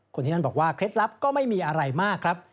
คนที่นั่นบอกว่าเคล็ดลับก็ไม่มีอะไรมากครับ